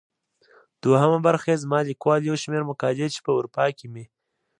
دوهمه برخه يې زما ليکوال يو شمېر مقالې چي په اروپا کې مي.